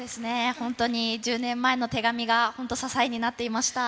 本当に１０年前の手紙が、本当、支えになっていました。